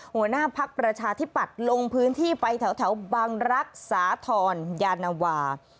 หัวหน้าพักประชาธิปัตย์ลงพื้นที่ไปแถวบังรักษ์สาธรยานวา